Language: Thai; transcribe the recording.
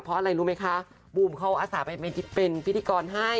เพราะอะไรรู้ไหมคะบูมเขาอาสาไปเป็นพิธีกรให้